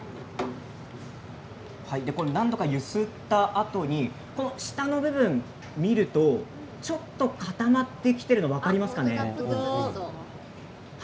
何度か揺すったあとに下の部分を見るとちょっと固まっているのが分かりますか？